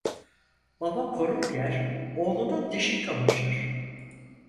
Baba koruk yer, oğlunun dişi kamaşır.